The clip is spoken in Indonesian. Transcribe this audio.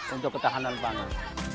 untuk ketahanan bangun